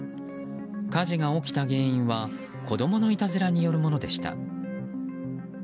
火事が起きた原因は子供のいたずらによるものでした。